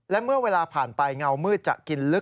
และเมื่อเวลาผ่านไป